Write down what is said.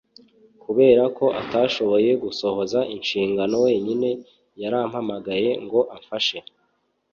kubera ko atashoboye gusohoza inshingano wenyine, yarampamagaye ngo amfashe